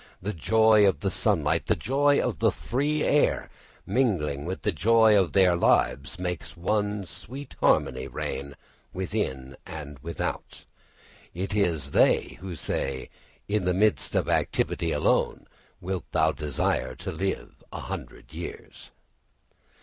The joy of the sunlight, the joy of the free air, mingling with the joy of their lives, makes one sweet harmony reign within and without. It is they who say, _In the midst of activity alone wilt thou desire to live a hundred years.